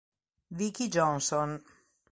Vickie Johnson